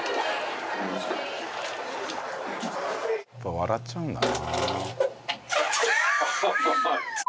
笑っちゃうんだな。